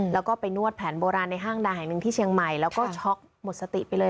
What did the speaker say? แล้วก็ไปนวดแผนโบราณในห้างดังแห่งหนึ่งที่เชียงใหม่แล้วก็ช็อกหมดสติไปเลย